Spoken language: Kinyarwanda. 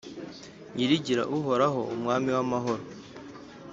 Nyirigir’uhoraho umwami w’amahoro.